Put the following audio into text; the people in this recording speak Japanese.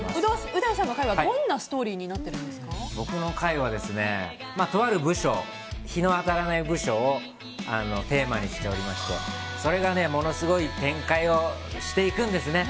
う大さんの回はどんなストーリーに僕の回は、とある部署日の当たらない部署をテーマにしておりましてそれがものすごい展開をしていくんですね。